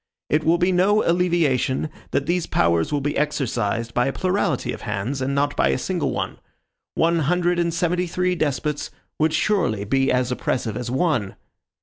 It will be no alleviation, that these powers will be exercised by a plurality of hands, and not by a single one. One hundred and seventy three despots would surely be as oppressive as one.